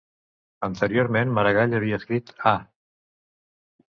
Anteriorment Maragall havia escrit Ah!